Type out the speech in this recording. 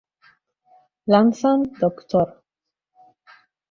Lanzan "Dr.